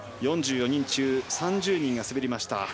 ４４人中３０人が滑りました。